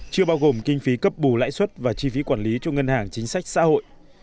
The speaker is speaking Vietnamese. chưa bao gồm kinh phí cấp bù lãi suất và chi phí quản lý cho ngân hàng chính sách xã hội